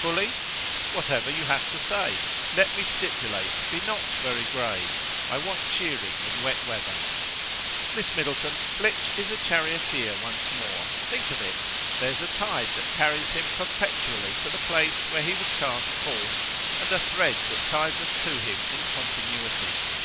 "Fully?" "Whatever you have to say. Let me stipulate, be not very grave. I want cheering in wet weather." "Miss Middleton, Flitch is charioteer once more. Think of it. There's a tide that carries him perpetually to the place where he was cast forth, and a thread that ties us to him in continuity.